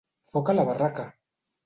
Foc a la barraca!